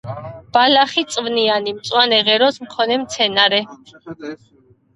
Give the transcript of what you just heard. ბალახი-წვნიანი, მწვანე ღეროს მქონე მცენარე.